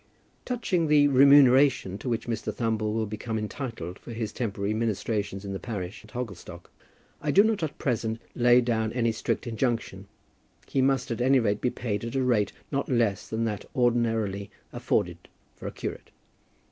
Touching the remuneration to which Mr. Thumble will become entitled for his temporary ministrations in the parish of Hogglestock, I do not at present lay down any strict injunction. He must, at any rate, be paid at a rate not less than that ordinarily afforded for a curate.